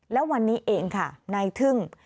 แล้ววันนี้เองค่ะนายทึ่ง